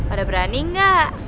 ada berani gak